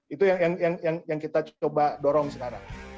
itu yang kita coba dorong sekarang